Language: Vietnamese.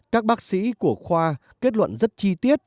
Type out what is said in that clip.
các bác sĩ của khoa kết luận rất chi tiết